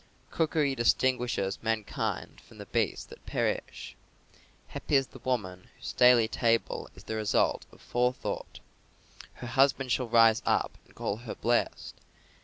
"Cookery distinguishes mankind from the beasts that perish. Happy is the woman whose daily table is the result of forethought. Her husband shall rise up and call her blessed.